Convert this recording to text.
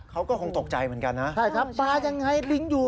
เขาก็คงตกใจเหมือนกันนะใช่ครับปลายังไงลิงอยู่